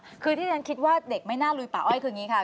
คือที่ฉันคิดว่าเด็กไม่น่าลุยป่าอ้อยคืออย่างนี้ค่ะ